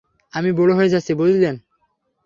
আমি বুড়ো হয়ে যাচ্ছি, বুঝলেন?